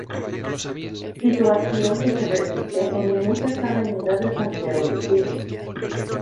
Situación que se repite en muchas avenidas de Santiago de Chile.